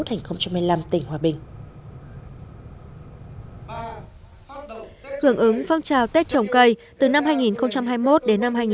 hưởng ứng phong trào tết trồng cây từ năm hai nghìn hai mươi một đến năm hai nghìn hai mươi